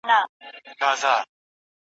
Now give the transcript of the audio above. ما چي پېچومي د پامیر ستایلې